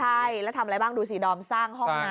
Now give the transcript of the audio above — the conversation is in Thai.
ใช่แล้วทำอะไรบ้างดูสิดอมสร้างห้องน้ำ